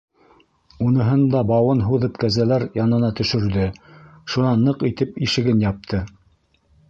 Уныһын да бауын һуҙып кәзәләр янына төшөрҙө, шунан ныҡ итеп ишеген япты.